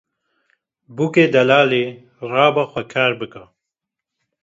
Bûkê delalê rabe xwe kar bike